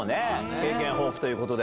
経験豊富ということで。